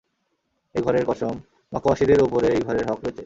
এই ঘরের কসম, মক্কাবাসীদের উপরে এই ঘরের হক রয়েছে।